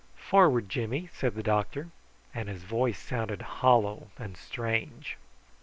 "Forward, Jimmy!" said the doctor, and his voice sounded hollow and strange.